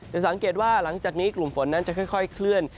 สังเกตว่าหลังจากนี้กลุ่มฝนนั้นจะค่อยเคลื่อน